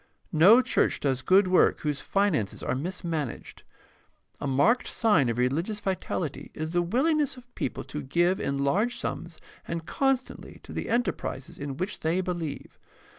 No church does good work whose finances are mismanaged. A marked sign of religious vitality is the willingness of people to give in large sums and constantly to the enterprises in which they believe.